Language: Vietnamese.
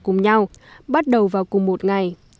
cùng nhau bắt đầu vào cùng một ngày